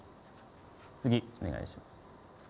次、お願いします。